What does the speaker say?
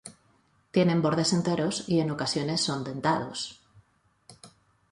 Tienen bordes enteros y en ocasiones son dentados.